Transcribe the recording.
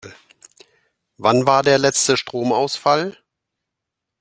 Wann war der letzte Stromausfall?